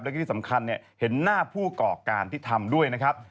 แล้วก็ที่สำคัญเห็นหน้าผู้ก่อการที่ทำด้วยนะครับ